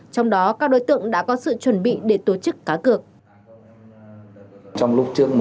trong đó các đối tượng đã có sự chuẩn bị để tổ chức cá cược